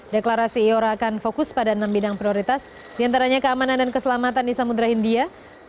deklarasi iora akan fokus pada enam bidang prioritas diantaranya keamanan dan keselamatan di samudera india